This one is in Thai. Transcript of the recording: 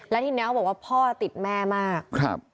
แล้วทีนี้เขาบอกว่าพ่อติดแม่มาก